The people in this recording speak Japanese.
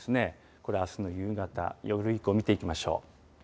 これ、あすの夕方、夜以降、見ていきましょう。